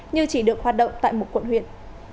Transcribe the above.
như chỉ được hoạt động tại một quận huyện